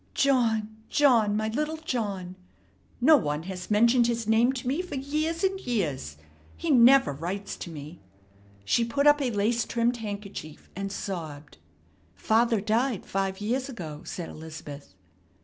"John, John, my little John. No one has mentioned his name to me for years and years. He never writes to me." She put up a lace trimmed handkerchief, and sobbed. "Father died five years ago," said Elizabeth.